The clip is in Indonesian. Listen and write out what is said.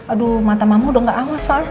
aduh mata mama udah gak awas soalnya